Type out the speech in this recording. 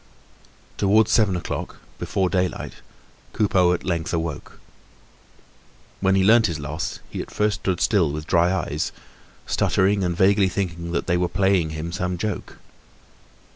Towards seven o'clock, before daylight, Coupeau at length awoke. When he learnt his loss he at first stood still with dry eyes, stuttering and vaguely thinking that they were playing him some joke.